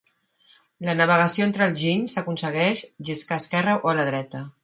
La navegació entre els ginys s'aconsegueix lliscar esquerra o la dreta.